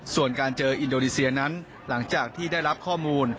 ส่วนการเจออินโดนีเซียนั้นหลังจากที่ได้รับข้อมูล